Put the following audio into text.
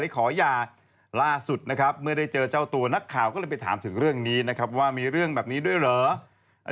ขอยาล่าสุดนะครับเมื่อได้เจอเจ้าตัวนักข่าวก็เลยไปถามถึงเรื่องนี้นะครับว่ามีเรื่องแบบนี้ด้วยเหรอ